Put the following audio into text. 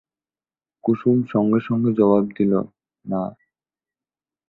কুসুম সঙ্গে সঙ্গে জবাব দিল, না।